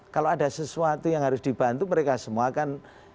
kalau ada sesuatu yang harus dibantu mereka semua kan